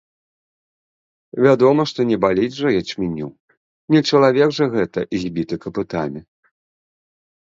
Вядома, што не баліць жа ячменю, не чалавек жа гэта, збіты капытамі.